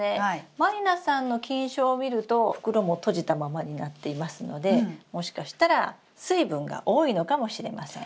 満里奈さんの菌床を見ると袋も閉じたままになっていますのでもしかしたら水分が多いのかもしれません。